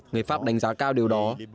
người pháp đánh giá cao điều đó